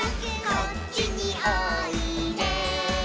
「こっちにおいで」